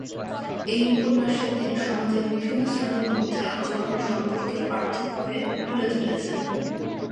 এই উপন্যাসে তিনি সমাজের বিভিন্ন শ্রেণীর মধ্যে আচরণ ও সম্পর্কের পার্থক্যকে তুলে ধরেছেন।